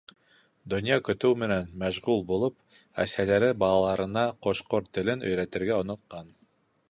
Донъя көтөү менән мәшғүл булып, әсәләре балаларына ҡош-ҡорт телен өйрәтергә онотҡан.